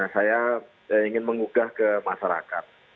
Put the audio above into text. saya ingin mengugah ke masyarakat